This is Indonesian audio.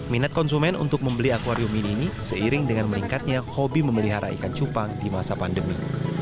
minat konsumen untuk membeli akwarium ini seiring dengan meningkatnya hobi memelihara ikan cupang di masa pandemi